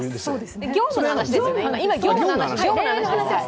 今、業務の話ですよね。